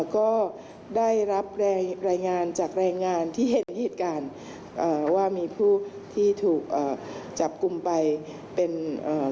ก็ได้รับรายงานจากรายงานที่เห็นเหตุการณ์อ่าว่ามีผู้ที่ถูกอ่าจับกลุ่มไปเป็นอ่า